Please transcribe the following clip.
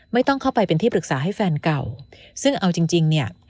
ไม่ต้องเข้าไปเป็นที่ปรึกษาให้แฟนเก่าซึ่งเอาจริงจริงเนี่ย